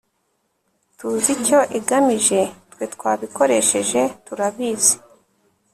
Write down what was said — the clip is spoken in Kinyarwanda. tuzi icyo igamije, twe twabikoresheje turabizi